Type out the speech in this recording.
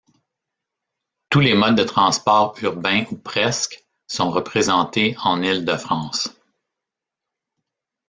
Tous les modes de transport urbains ou presque, sont représentés en Île-de-France.